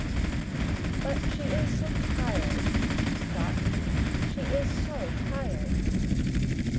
"But she is so tired," she thought. "She is so tired!"